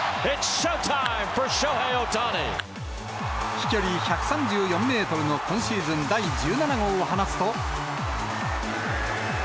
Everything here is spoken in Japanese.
飛距離１３４メートルの今シーズン第１７号を放つと。